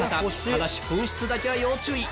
ただし紛失だけは要注意！